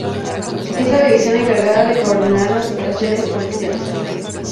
Es la división encargada de coordinar las operaciones policiales.